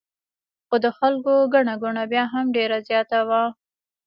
خو د خلکو ګڼه ګوڼه بیا هم ډېره زیاته وه.